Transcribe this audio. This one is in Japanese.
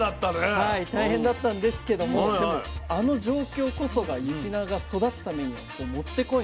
はい大変だったんですけどもでもあの状況こそが雪菜が育つためには持って来いの天候だったんですね。